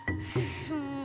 うん。